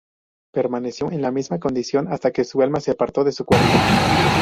Permaneció en la misma condición hasta que su alma se apartó de su cuerpo.